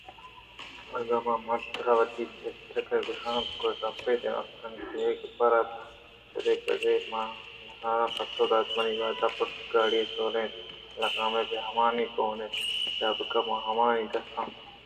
اگاں نا من ترا وتی تِجءَچوشتءَگُتّ دِیئاں اِسِتلّءَڈنگءِاے گپّ ءَرا تِرّےبُزے مان نیارانءَپسّہ دات منی واہُند پُشتءَگاڑیءَسوار اِنتءُ لگام ہم ہمائیءَگون اِنتءُ چابُک ہم ہمائی ءِ دستءَ اِنت